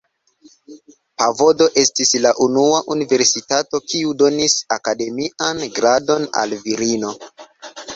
Padovo estis la unua universitato kiu donis akademian gradon al virino.